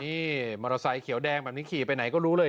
นี่มอเตอร์ไซค์เขียวแดงแบบนี้ขี่ไปไหนก็รู้เลย